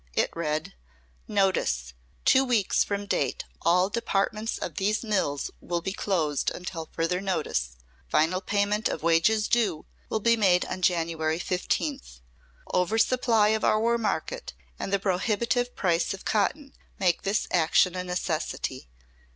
It read: NOTICE: Two weeks from date all departments of these mills will be closed until further notice. Final payment of wages due will be made on January 15th. Over supply of our market and the prohibitive price of cotton make this action a necessity.